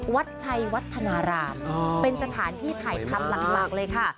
วัดชัยวัฒนารามเป็นสถานที่ถ่ายทำหลักเลยค่ะ